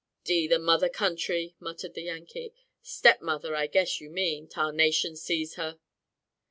"D n the mother country," muttered the Yankee; "step mother, I guess, you mean, tarnation seize her!!!"